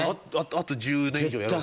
あと１０年以上やる？